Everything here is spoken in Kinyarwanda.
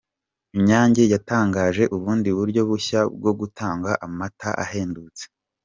Inyange yatangije ubundi buryo bushya bwo gutanga amata ahendutse